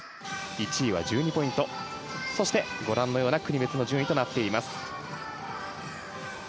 １位は１２ポイント、そしてご覧のような国別の順位でした。